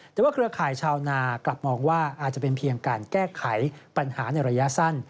แต่ว่าเครือข่ายชาวนากลับมองว่าอาจจะเป็นเพียงการแก้ไขปัญหาในระยะสั้น